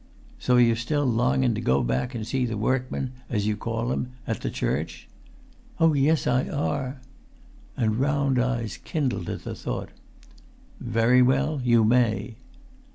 "So you're still longun to go back and see the workman, as you call him, at the church?" "Oh, yes, I are!" And round eyes kindled at the thought. "Very well. You may."